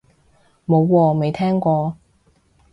冇喎，未聽過